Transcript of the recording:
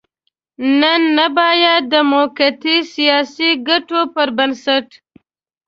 نن نه بايد د موقتي سياسي ګټو پر بنسټ.